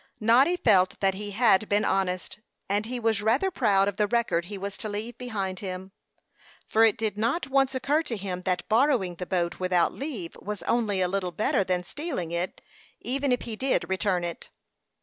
Noddy felt that he had been honest, and he was rather proud of the record he was to leave behind him; for it did not once occur to him that borrowing the boat without leave was only a little better than stealing it, even if he did return it.